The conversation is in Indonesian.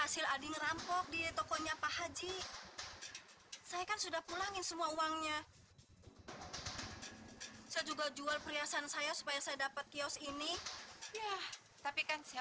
saya sudah suaranya bisa maju